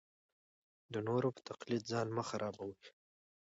د نورو په تقلید ځان مه خرابوئ.